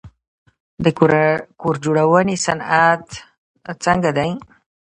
د کور جوړونې صنعت څنګه دی؟